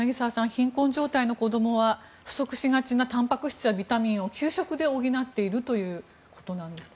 貧困状態の子どもは不足しがちなたんぱく質やビタミンを給食で補っているということなんですね。